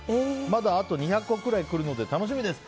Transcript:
まだあと２００個くらい来るので楽しみです。